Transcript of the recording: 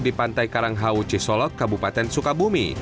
di pantai karanghau cisolok kabupaten sukabumi